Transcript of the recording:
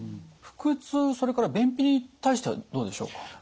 腹痛それから便秘に対してはどうでしょうか？